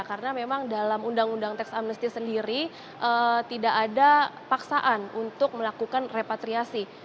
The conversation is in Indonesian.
karena memang dalam undang undang teks amnestis sendiri tidak ada paksaan untuk melakukan repatriasi